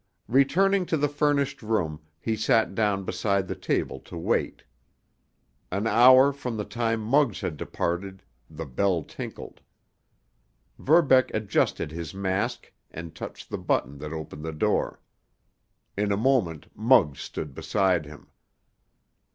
Returning to the furnished room, he sat down beside the table to wait. An hour from the time Muggs had departed the bell tinkled. Verbeck adjusted his mask and touched the button that opened the door. In a moment Muggs stood beside him.